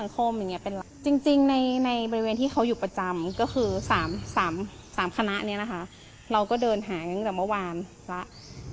จริงในบริเวณที่เขาอยู่ประจำก็คือ๓คณะนี้นะคะเราก็เดินหาตั้งแต่เมื่อวานแล้ว